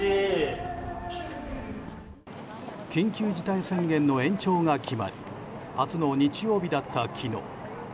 緊急事態宣言の延長が決まり初の日曜日だった昨日。